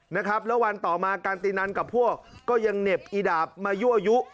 นะครับแล้ววันต่อมาการตินันกับพวกก็ยังเหน็บอีดาบมายั่วยุ